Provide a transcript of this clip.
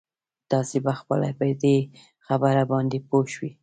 تاسې به خپله په دې خبره باندې پوه شئ.